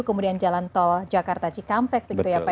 kemudian jalan tol jakarta cikampek